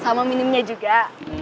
sama minumnya juga